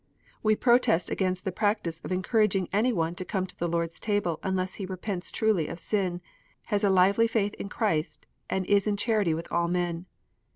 We protest against the practice of encouraging any one to come to the Lord s Table unless he repents truly of sin, has a lively faith in Christ, and is in charity with all men.